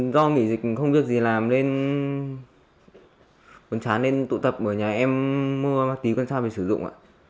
do nghỉ dịch không được gì làm nên chán nên tụ tập ở nhà em mua tí con sao để sử dụng